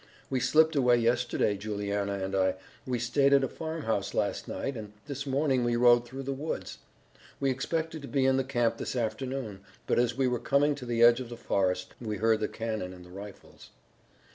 We slipped away yesterday, Juliana and I. We stayed at a farmhouse last night, and this morning we rode through the woods. We expected to be in the camp this afternoon, but as we were coming to the edge of the forest we heard the cannon and then the rifles.